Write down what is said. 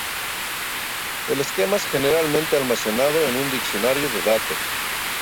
El esquema es generalmente almacenado en un diccionario de datos.